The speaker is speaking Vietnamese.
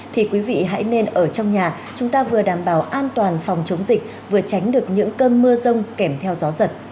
thì quý vị hãy nên ở trong nhà chúng ta vừa đảm bảo an toàn phòng chống dịch vừa tránh được những cơn mưa rông kèm theo gió giật